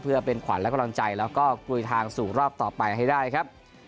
เพื่อเป็นขวัญและกำลังใจแล้วก็กลุยทางสู่รอบต่อไปให้ได้ครับ